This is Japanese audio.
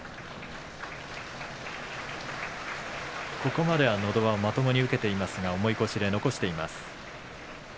ここまでは、のど輪をまともに受けていますが重い腰で残しています。